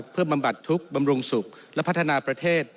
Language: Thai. เพื่อบำบัดทุกข์บำรุงสุขและพัฒนาประเทศ